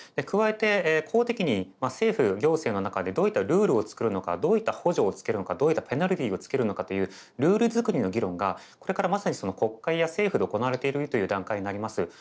加えて公的に政府行政の中でどういったルールを作るのかどういった補助をつけるのかどういったペナルティーをつけるのかというルール作りの議論がこれからまさに国会や政府で行われているという段階になります。